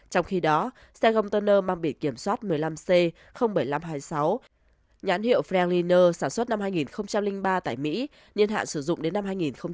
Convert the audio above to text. trong khi đó xe gồng tân nơ mang biển kiểm soát một mươi năm c bảy nghìn năm trăm hai mươi sáu nhãn hiệu frankliner sản xuất năm hai nghìn ba tại mỹ nhiên hạn sử dụng đến năm hai nghìn hai mươi tám